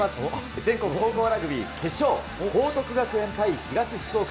全国高校ラグビー決勝、報徳学園対東福岡。